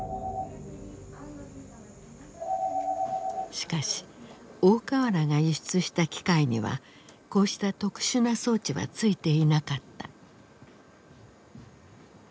しかし大川原が輸出した機械にはこうした特殊な装置はついていなかった。